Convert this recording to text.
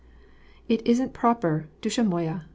"It isn't proper, dusha moya!